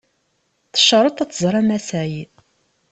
Tecreḍ ad tẓer amasay.